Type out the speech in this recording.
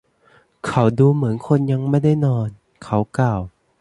“เขาดูเหมือนคนยังไม่ได้นอน” เขากล่าว